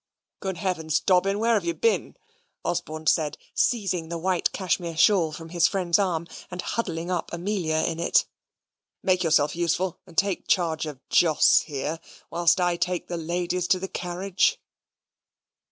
"Good Heavens! Dobbin, where have you been?" Osborne said, seizing the white cashmere shawl from his friend's arm, and huddling up Amelia in it. "Make yourself useful, and take charge of Jos here, whilst I take the ladies to the carriage."